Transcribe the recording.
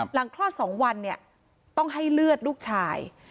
คลอด๒วันเนี่ยต้องให้เลือดลูกชาย